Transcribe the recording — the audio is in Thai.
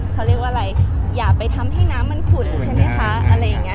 เขาเรียกว่าอะไรอย่าไปทำให้น้ำมันขุนใช่ไหมคะ